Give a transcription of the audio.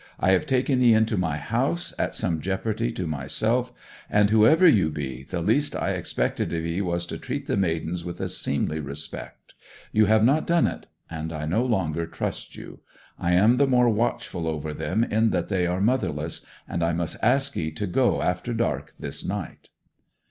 I have taken 'ee into my house, at some jeopardy to myself; and, whoever you be, the least I expected of 'ee was to treat the maidens with a seemly respect. You have not done it, and I no longer trust you. I am the more watchful over them in that they are motherless; and I must ask 'ee to go after dark this night!'